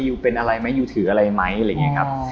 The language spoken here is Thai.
อยู่เป็นอะไรไหมยูถืออะไรไหมอะไรอย่างนี้ครับ